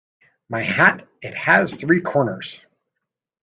My hat it has three corners.